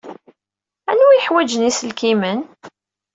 Anwa ay yeḥwajen iselkimen?